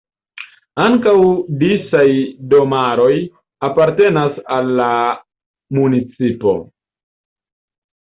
Ankaŭ disaj domaroj apartenas al la municipo.